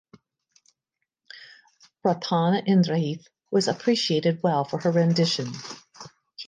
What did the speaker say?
Prarthana Indrajith was appreciated well for her rendition.